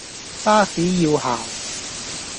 巴士要行